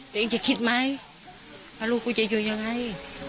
ตัวเองจะคิดไหมว่าลูกกูจะอยู่ยังไง